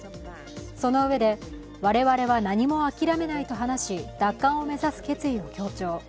そのうえで、我々は何も諦めないと話し、奪還を目指す決意を強調。